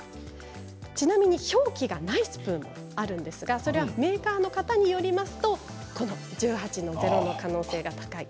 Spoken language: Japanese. ちなみに表記がないスプーンがあるんですがそれはメーカーの方によりますとこの１８−０の可能性が高い。